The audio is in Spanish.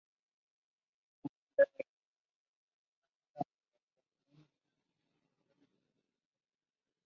Aunque las parejas permanecen juntas durante años, realizan los rituales de cortejo cada primavera.